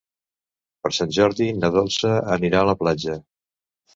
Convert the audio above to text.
Per Sant Jordi na Dolça anirà a la platja.